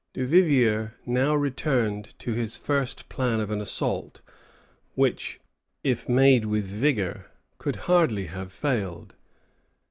Duvivier now returned to his first plan of an assault, which, if made with vigor, could hardly have failed.